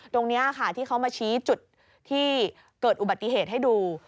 ตรงนี้ค่ะที่เขามาชี้จุดที่เกิดอุบัติเหตุให้ดู